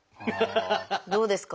どうですか？